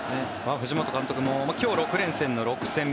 藤本監督も今日６連戦の６戦目。